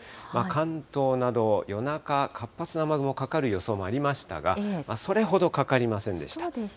関東など、夜中、活発な雨雲かかる予想もありましたが、それほどかかりませんでした。